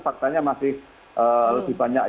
faktanya masih lebih banyak